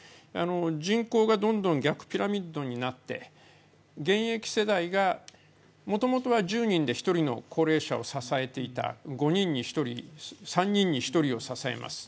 人口がどんどん逆ピラミッドになって現役世代がもともとは１０人で１人の高齢者を支えていた、５人に１人３人に１人を支えます